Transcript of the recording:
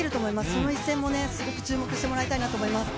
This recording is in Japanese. その一戦もすごく注目してもらいたいと思います。